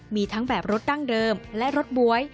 มีทั้งแบบรถดั้งเดิมและรถบ๊วย